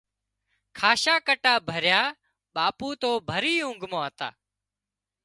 کاشا ڪٽا ڀريا ٻاپو تو ڀري اونگھ مان هتا